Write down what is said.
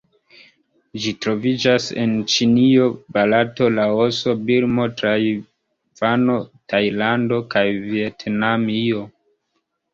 Ĝi troviĝas en Ĉinio, Barato, Laoso, Birmo, Tajvano, Tajlando kaj Vjetnamio.